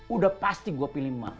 udah pasti gue pilih mah